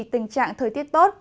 tình trạng thời tiết tốt